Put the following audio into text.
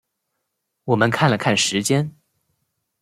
我们看了看时间